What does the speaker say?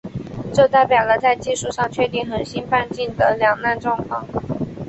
这代表了在技术上确定恒星半径的两难状况。